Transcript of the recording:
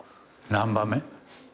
何番目？